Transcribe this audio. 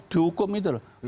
tidak hanya terdawa